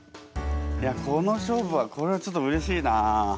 いやこの勝負はこれはちょっとうれしいな。